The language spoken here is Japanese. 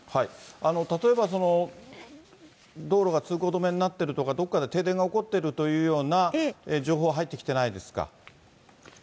例えば道路が通行止めになってるとか、どっかで停電が起こっているというような情報は入ってきてないですか？